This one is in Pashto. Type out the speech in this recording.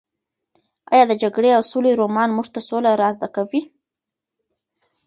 ایا د جګړې او سولې رومان موږ ته سوله را زده کوي؟